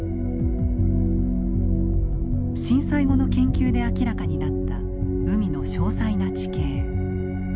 震災後の研究で明らかになった海の詳細な地形。